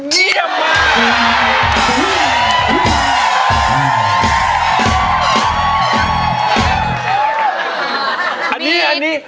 เจียมมาก